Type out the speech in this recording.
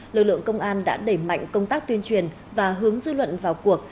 lực lượng công an đã đẩy mạnh công tác tuyên truyền và hướng dư luận vào cuộc